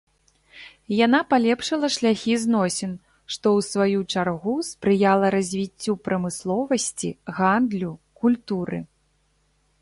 Яна палепшыла шляхі зносін, што, у сваю чаргу, спрыяла развіццю прамысловасці, гандлю, культуры.